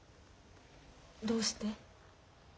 どうして？